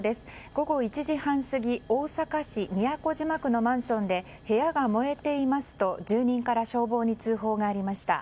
午後１時半過ぎ大阪市都島区のマンションで部屋が燃えていますと住人から消防に通報がありました。